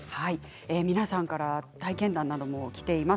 皆さんから体験談などもきています。